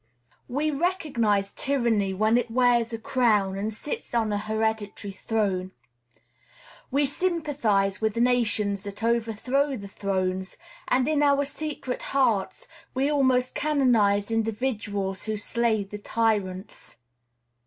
We recognize tyranny when it wears a crown and sits on an hereditary throne. We sympathize with nations that overthrow the thrones, and in our secret hearts we almost canonize individuals who slay the tyrants.